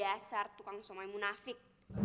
emang dasar tukang somaimu nafik